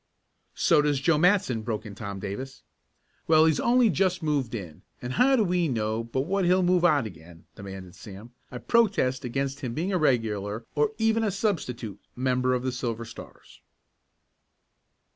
"So does Joe Matson!" broke in Tom Davis. "Well, he's only just moved in, and how do we know but what he'll move out again?" demanded Sam. "I protest against him being a regular, or even a substitute, member of the Silver Stars!"